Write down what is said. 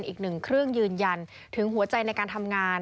อีกหนึ่งเครื่องยืนยันถึงหัวใจในการทำงาน